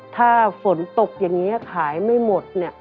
ถ้าฝนตกอย่างนี้ขายไม่หมดเนี่ย